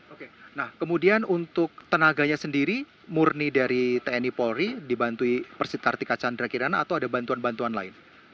oke nah kemudian untuk tenaganya sendiri murni dari tni polri dibantui persikartika chandra kirana atau ada bantuan bantuan lain